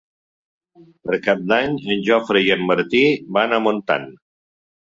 Per Cap d'Any en Jofre i en Martí van a Montant.